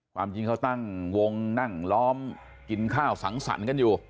ความจริงเขาตั้งวงนั่งล้อมกินข้าวสังสรรค์กันอยู่